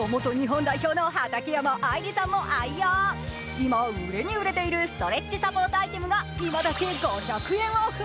今、売れに売れているストレッチサポートアイテムが今だけ５００円オフ。